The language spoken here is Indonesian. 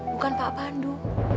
bukan pak pandu